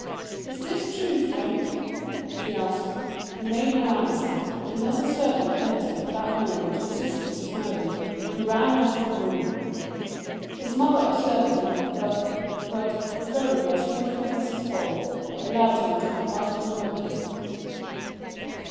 "Is this true, Frank?" she asked. He made no answer, and as a servant entered at that moment to assist Mrs. Mervyn, he ran out of the room. His mother observed him, but, preferring that he would confess his fault, allowed him to depart unnoticed.